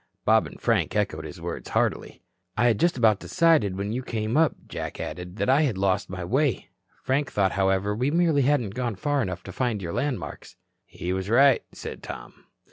Bob and Frank echoed his words heartily. "I had just about decided when you came up," Jack added, "that I had lost my way. Frank thought, however, we merely hadn't gone far enough to find your landmarks." "He was right," said Tom.